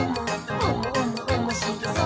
おもしろそう！」